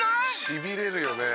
「しびれるよね」